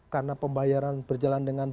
karena pembayaran berjalan dengan